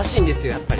やっぱり。